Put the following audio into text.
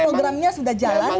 programnya sudah jalan